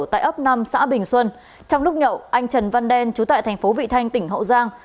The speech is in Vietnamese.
tại ấp năm xã bình xuân trong lúc nhậu anh trần văn đen trú tại thành phố vị thanh tỉnh hậu giang